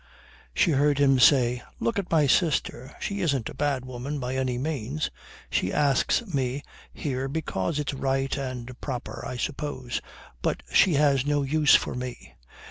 She heard him say: "Look at my sister. She isn't a bad woman by any means. She asks me here because it's right and proper, I suppose, but she has no use for me.